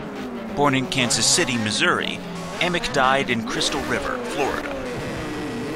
Born in Kansas City, Missouri, Amick died in Crystal River, Florida.